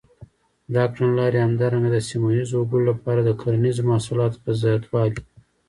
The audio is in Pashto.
دا کړنلارې همدارنګه د سیمه ییزو وګړو لپاره د کرنیزو محصولاتو په زباتوالي.